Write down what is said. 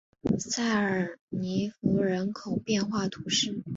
塞尔涅博人口变化图示